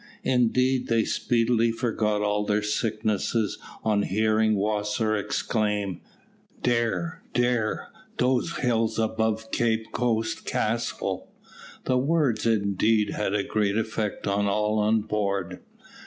Indeed they speedily forgot all their sickness on hearing Wasser exclaim, "Dere, dere! dose hills above Cape Coast Castle!" The words indeed had a great effect on all on board.